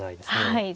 はい。